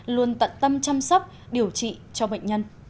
luôn tận tâm chăm sóc điều trị cho bệnh nhân